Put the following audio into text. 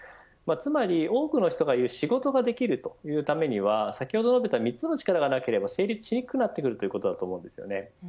つまり多くの人が言う仕事ができるというためには先ほど述べた３つの力がなければ成立しにくくなってきます。